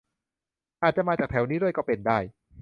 อาจจะมาจากแถวนี้ด้วยก็เป็นได้